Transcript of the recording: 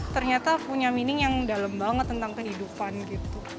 ternyata punya meaning yang dalam banget tentang kehidupan gitu